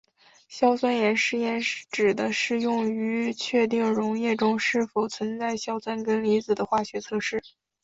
硝酸盐试验指的是用于确定溶液中是否存在硝酸根离子的化学测试。